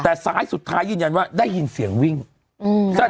แต่ซ้ายสุดท้ายยืนยันว่าได้ยินเสียงวิ่งอืม